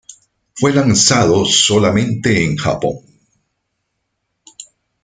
Fue lanzado solamente en Japón.